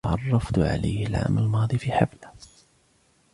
تعرفت عليه العام الماضي في حفلة